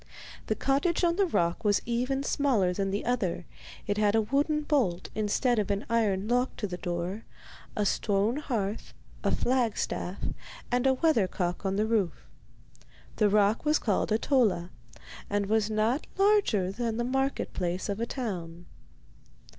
The cottage on the rock was even smaller than the other; it had a wooden bolt instead of an iron lock to the door, a stone hearth, a flagstaff, and a weather cock on the roof. The rock was called Ahtola, and was not larger than the market place of a town.